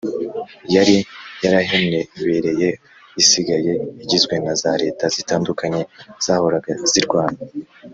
yari yarahenebereye isigaye igizwe na za leta zitandukanye zahoraga zirwana